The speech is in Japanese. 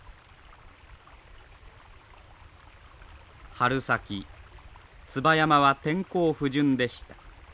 春先椿山は天候不順でした。